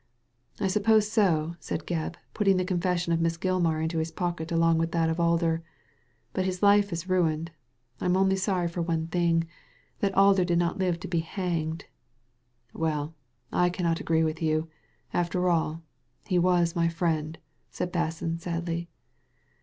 * I suppose so," said Gebb, putting the confession of Miss Gilmar into his pocket along with that of Alder. "But his life is ruined. I'm only sorry Digitized by Google HOW THE DEED WAS DONE 267 for one thing: that Alder did not h've to be hanged." Well, I cannot agree with you ; after all, he was my friend/' said Basson, sadly.